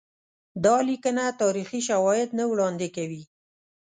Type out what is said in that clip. دا لیکنه تاریخي شواهد نه وړاندي کوي.